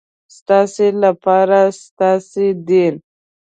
ستاسې لپاره ستاسې دین.